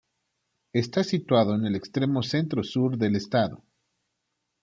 Está situado en el extremo centro-sur del estado.